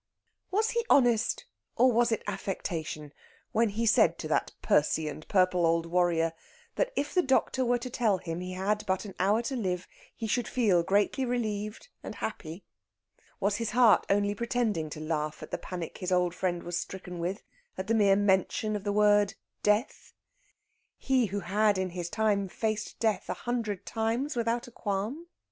Was he honest, or was it affectation, when he said to that pursy and purple old warrior that if the doctor were to tell him he had but an hour to live he should feel greatly relieved and happy? Was his heart only pretending to laugh at the panic his old friend was stricken with at the mere mention of the word "death" he who had in his time faced death a hundred times without a qualm?